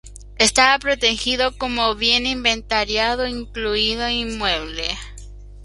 Estaba protegido como "Bien inventariado incluido inmueble".